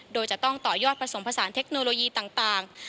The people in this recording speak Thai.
โดยจะต้องต่อยอดผสมผสานเทคโนโลยีต่าง